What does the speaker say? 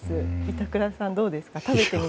板倉さん、どうですか？